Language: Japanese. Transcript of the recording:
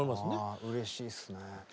ああうれしいっすね。